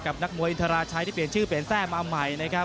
นักมวยอินทราชัยที่เปลี่ยนชื่อเปลี่ยนแทร่มาใหม่นะครับ